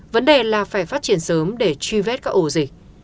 vấn đề là phải phát triển sớm để truy vết các ổ dịch